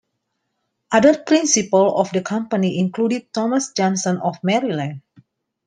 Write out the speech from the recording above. Other principals of the company included Thomas Johnson of Maryland.